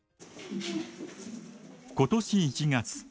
今年１月。